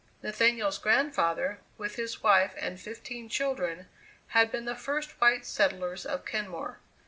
Nathaniel's grandfather, with his wife and fifteen children, had been the first white settlers of Kenmore.